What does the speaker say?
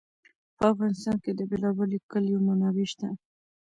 په افغانستان کې د بېلابېلو کلیو منابع شته.